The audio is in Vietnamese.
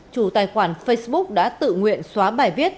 chủ tài khoản facebook đã tự nguyện xóa bài viết